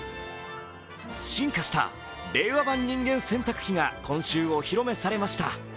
進化した令和版人間洗濯機が今週お披露目されました。